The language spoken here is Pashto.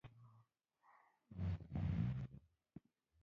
يره دغو دوو ته ګوره.